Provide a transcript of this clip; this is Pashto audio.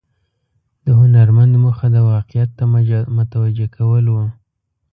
د هنرمند موخه د واقعیت ته متوجه کول و.